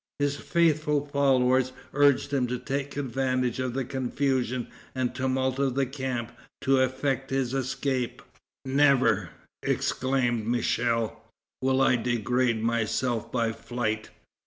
His faithful followers urged him to take advantage of the confusion and tumult of the camp to effect his escape. "Never," exclaimed Michel, "will I degrade myself by flight.